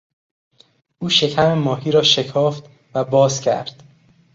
او شکم ماهی را شکافت و باز کرد.